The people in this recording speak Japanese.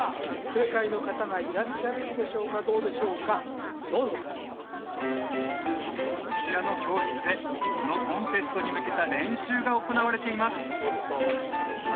正解の方がいらっしゃるんでしょうかどうでしょうかどうぞこちらの教室でそのコンテストに向けた練習が行われています